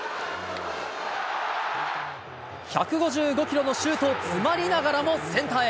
１５５キロのシュートを詰まりながらもセンターへ。